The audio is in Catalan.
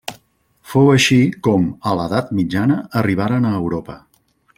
Fou així com a l'edat mitjana arribaren a Europa.